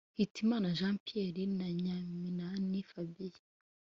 Hitimana Jean Pierre na Nyaminani Fabien